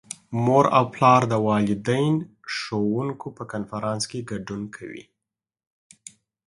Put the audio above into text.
مور او پلار د والدین - ښوونکو په کنفرانس کې ګډون کوي.